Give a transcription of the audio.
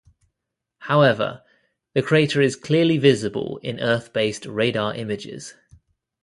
However, the crater is clearly visible in Earth-based radar images.